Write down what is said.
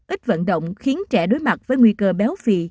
ít vận động khiến trẻ đối mặt với nguy cơ béo phì